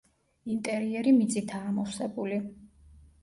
ინტერიერი მიწითაა ამოვსებული.